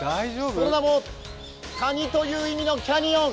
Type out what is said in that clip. その名も谷という意味のキャニオン。